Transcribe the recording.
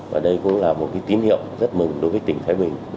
và đây cũng là một cái tín hiệu rất mừng đối với tỉnh thái bình